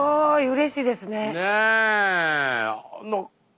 うれしいですね。